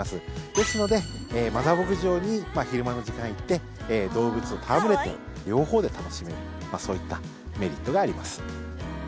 ですので、マザー牧場に昼間の時間行って、動物と戯れて両方で楽しめるそういったメリットがあります。